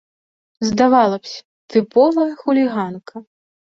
Здавалася б, тыповая хуліганка.